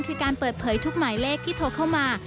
คือการเปิดเผยทุกหมายเลขที่โทรเข้ามา